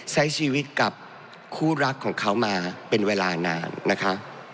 ใช้ชีวิตกับคู่รักของเขามาเป็นเวลานานนะคะ